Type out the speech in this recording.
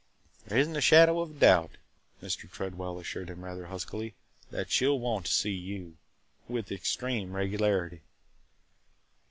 "There is n't a shadow of doubt," Mr. Tredwell assured him rather huskily, "that she 'll want to see you – with extreme regularity!"